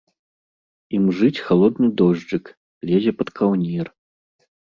Імжыць халодны дожджык, лезе пад каўнер.